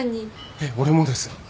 えっ俺もです。